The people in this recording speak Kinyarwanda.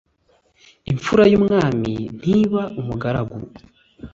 imfura y ' umwami ntiba umugaragu !".